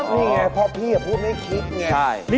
นี่ไงเพราะพี่พูดไม่คิดไง